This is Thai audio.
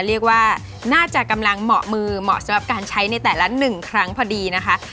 เรียกว่าน่าจะกำลังเหมาะมือเหมาะสำหรับการใช้ในแต่ละ๑ครั้งพอดีนะคะ